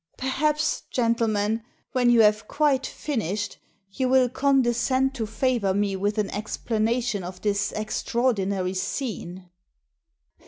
" Perhaps, gentlemen, when you have quite finished, you will condescend to favour me with an explanation of this extraordinary scene."